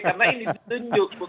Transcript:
karena ini ditunjuk